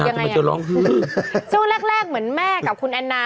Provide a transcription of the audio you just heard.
ภรรยากเหมือนแม่กับคุณแอนน่า